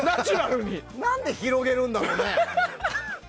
何で広げるんだろうね。